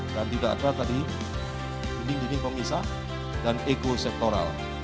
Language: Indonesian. dan tidak ada tadi gini gini komisa dan ekosektoral